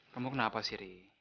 kamu kenapa sih ri